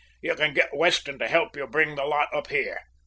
You can get Weston to help you to bring the lot up here.